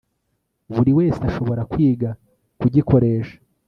buri wese ashobora kwiga kugikoresha